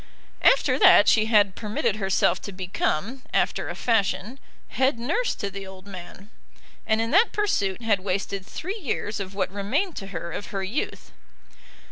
After that she had permitted herself to become, after a fashion, head nurse to the old man, and in that pursuit had wasted three years of what remained to her of her youth.